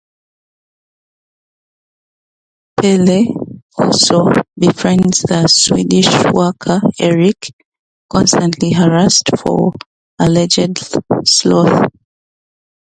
Pelle also befriends the Swedish worker Erik, constantly harassed for alleged sloth.